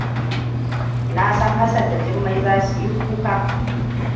Ni na san Hassan da Jummai za su yi kuka.